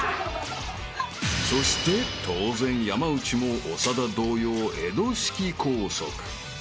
［そして当然山内も長田同様江戸式拘束］